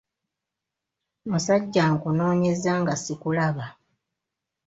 Musajja nkunoonyezza nga sikulaba.